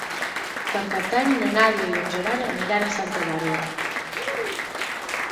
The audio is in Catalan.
Per Cap d'Any na Nàdia i en Gerard aniran a Santa Bàrbara.